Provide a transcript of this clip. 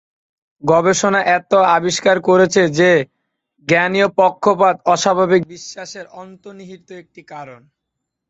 গবেষণা এও আবিষ্কার করেছে যে, জ্ঞানীয় পক্ষপাত অস্বাভাবিক বিশ্বাসের অন্তর্নিহিত একটি কারণ।